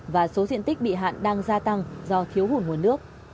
và số diện tích bị hạn đang gia tăng do thiếu hụt nguồn nước